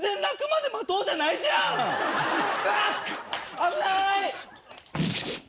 危ない！